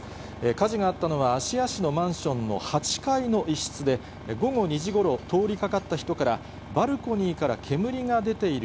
火事があったのは、芦屋市のマンションの８階の一室で、午後２時ごろ、通りかかった人から、バルコニーから煙が出ている。